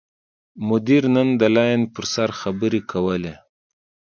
مدیر نن د لین پر سر خبرې کولې.